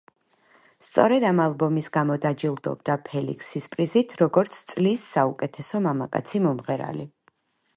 სწორედ ამ ალბომის გამო დაჯილდოვდა ფელიქსის პრიზით, როგორც წლის საუკეთესო მამაკაცი მომღერალი.